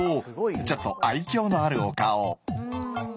ちょっと愛きょうのあるお顔。